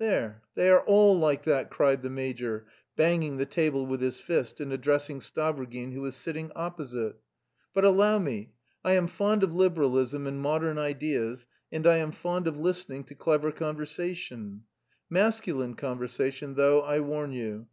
"There, they are all like that!" cried the major, banging the table with his fist and addressing Stavrogin, who was sitting opposite. "But, allow me, I am fond of Liberalism and modern ideas, and I am fond of listening to clever conversation; masculine conversation, though, I warn you.